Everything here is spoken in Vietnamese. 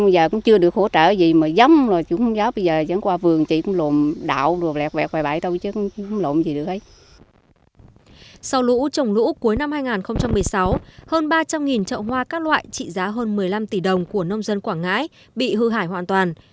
sau lũ trồng lũ cuối năm hai nghìn một mươi sáu hơn ba trăm linh trậu hoa các loại trị giá hơn một mươi năm tỷ đồng của nông dân quảng ngãi bị hư hại hoàn toàn